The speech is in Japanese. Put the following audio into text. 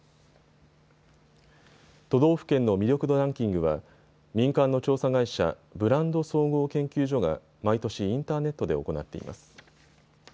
都道府県の魅力度ランキングは民間の調査会社、ブランド総合研究所が毎年インターネットで行っています。